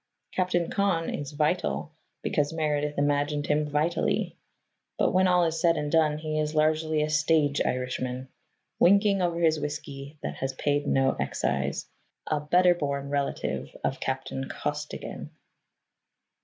Captain Con is vital, because Meredith imagined him vitally, but when all is said and done, he is largely a stage Irishman, winking over his whiskey that has paid no excise a better born relative of Captain Costigan.